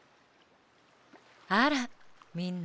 あらみんな。